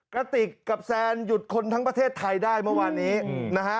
กระติกกับแซนหยุดคนทั้งประเทศไทยได้เมื่อวานนี้นะฮะ